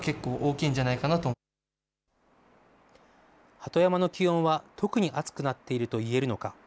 鳩山の気温は特に暑くなっているといえるのか。